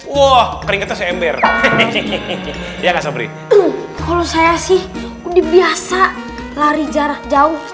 wah keringetnya saya ember dia nggak sabar kalau saya sih udah biasa lari jarak jauh